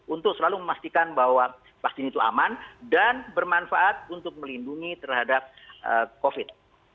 untuk selalu memastikan bahwa vaksin itu aman dan bermanfaat untuk melindungi terhadap covid